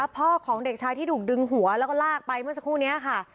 พ่อของเด็กชายที่ถูกดึงหัวแล้วก็ลากไปเมื่อสักครู่นี้ค่ะ